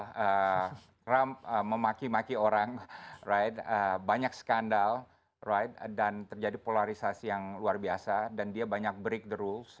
karena trump memaki maki orang right banyak skandal right dan terjadi polarisasi yang luar biasa dan dia banyak break the rules